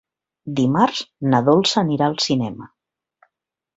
Dimarts na Dolça anirà al cinema.